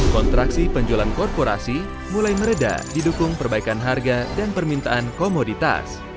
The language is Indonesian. kontraksi penjualan korporasi mulai meredah didukung perbaikan harga dan permintaan komoditas